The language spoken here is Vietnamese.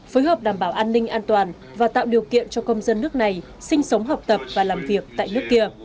phối hợp đảm bảo an ninh an toàn và tạo điều kiện cho công dân nước này sinh sống học tập và làm việc tại nước kia